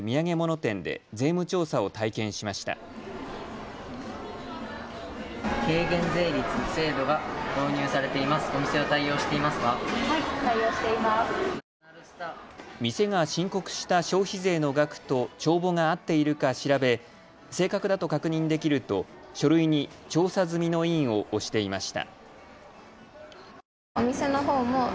店が申告した消費税の額と帳簿が合っているか調べ正確だと確認できると書類に調査済みの印を押していました。